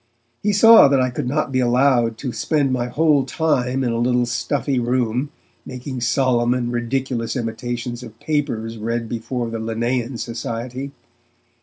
He saw that I could not be allowed to spend my whole time in a little stuffy room making solemn and ridiculous imitations of Papers read before the Linnaean Society.